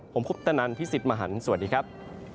ผมคุปตะนันพี่สิทธิ์มหันฯสวัสดีครับ